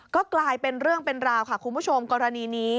ก็กลายเป็นเรื่องเป็นราวค่ะคุณผู้ชมกรณีนี้